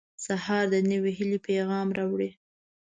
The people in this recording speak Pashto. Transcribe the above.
• سهار د نوې هیلې پیغام راوړي.